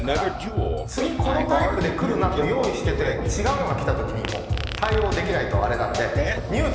次このタイプで来るなと用意してて違うのが来たときに対応できないとあれなんで。